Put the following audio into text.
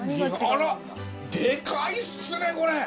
あらデカいっすねこれ！